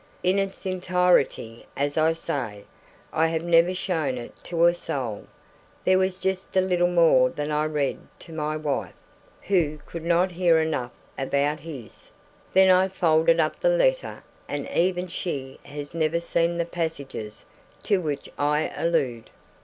In its entirety, as I say, I have never shown it to a soul; there was just a little more that I read to my wife (who could not hear enough about his); then I folded up the letter, and even she has never seen the passages to which I allude.